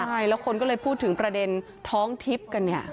ใช่แล้วคนก็เลยพูดถึงประเด็นท้องทิพย์กันเนี่ย